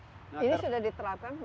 ini sudah diterapkan